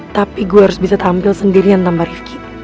tapi gue harus bisa tampil sendirian tanpa rifki